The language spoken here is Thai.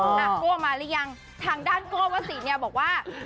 หลักโกวมารึยังทางด้านโกวว่าสิเนี่ยบอกว่า